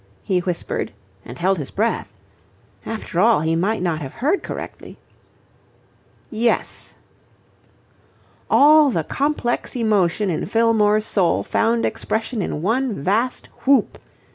he whispered, and held his breath. After all he might not have heard correctly. "Yes." All the complex emotion in Fillmore's soul found expression in one vast whoop.